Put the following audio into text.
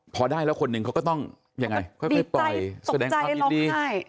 พอได้แล้วคนหนึ่งเขาก็ต้องยังไงค่อยไปปล่อยแสดงความยินดีใช่